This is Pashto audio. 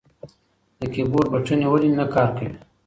د کیبورډ بټنې ولې نه کار کوي؟